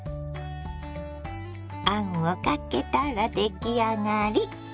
あんをかけたら出来上がり。